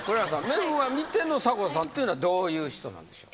メグが見ての迫田さんっていうのはどういう人なんでしょう？